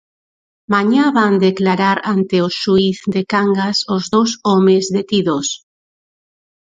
Mañá van declarar ante o xuíz de Cangas os dous homes detidos.